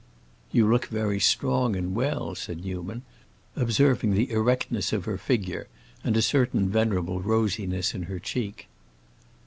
"You look very strong and well," said Newman, observing the erectness of her figure, and a certain venerable rosiness in her cheek.